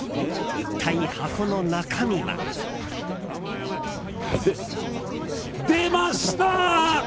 一体、箱の中身は。出ました！